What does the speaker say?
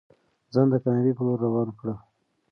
ځان د کامیابۍ په لور روان کړه.